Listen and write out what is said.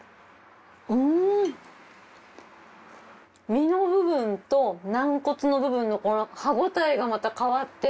身の部分と軟骨の部分の歯応えがまた変わって。